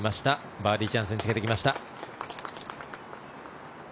バーディーチャンスにつけてきました。